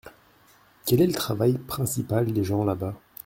Quel est le travail principal des gens là-bas ?